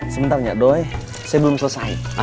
sebentar ya doy saya belum selesai